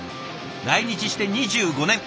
来日して２５年。